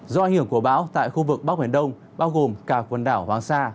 do ảnh hưởng của bão tại khu vực bắc biển đông bao gồm cả quần đảo hoàng sa